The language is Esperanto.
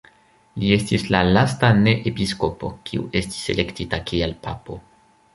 Li estis la lasta ne-episkopo, kiu estis elektita kiel papo.